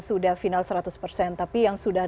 sudah final seratus persen tapi yang sudah